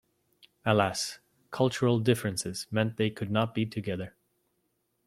Alas, cultural differences meant they could not be together.